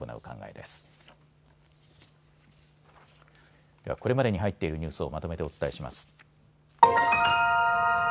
では、これまでに入っているニュースをまとめてお伝えします。